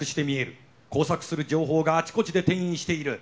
交錯する情報があちこちで転移している。